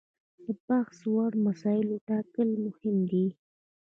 د بحث وړ مسایلو ټاکل مهم دي.